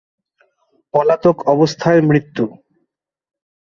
পলাতক অবস্থায় মৃত্যু।